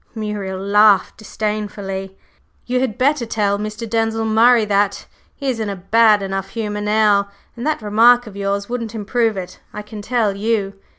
Muriel laughed disdainfully. "You had better tell Mr. Denzil Murray that; he is in a bad enough humor now, and that remark of yours wouldn't improve it, I can tell you!"